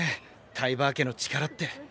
タイバー家の力って。